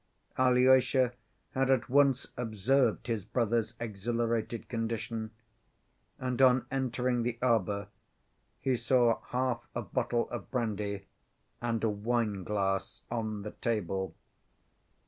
Alyosha had at once observed his brother's exhilarated condition, and on entering the arbor he saw half a bottle of brandy and a wineglass on the table.